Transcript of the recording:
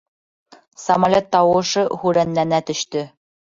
Самолет тауышы һүрәнләнә төштө.